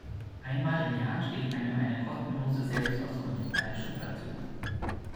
Einmal im Jahr steht einem eine kostenlose Selbstauskunft bei der Schufa zu.